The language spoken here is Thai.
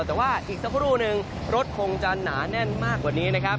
แต่ว่าอีกสักครู่นึงรถคงจะหนาแน่นมากกว่านี้นะครับ